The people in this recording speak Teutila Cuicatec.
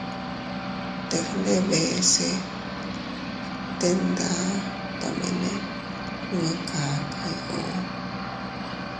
Teg ndebe se bte nda tomene nwe kakay u.